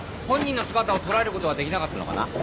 本人の姿を捉えることはできなかったのかな？